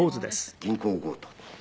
銀行強盗。